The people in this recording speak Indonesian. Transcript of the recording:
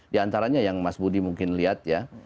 di antaranya yang mas budi mungkin lihat ya